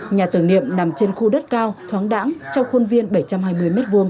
nhà tưởng niệm nằm trên khu đất cao thoáng đẳng trong khuôn viên bảy trăm hai mươi m hai